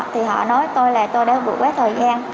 thì họ nói tôi đã vượt quá thời gian